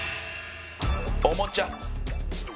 おもちゃ！